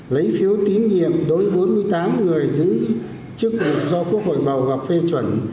lấy phiếu tín nghiệm đối bốn mươi tám người giữ chức lực do quốc hội bầu gọc phê chuẩn